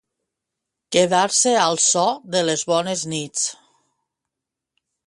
Quedar-se al so de les bones nits.